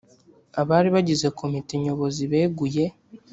abari bagize komite nyobozi beguye